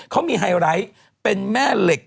เขามีไฮไลท์เป็นแม่เหล็ก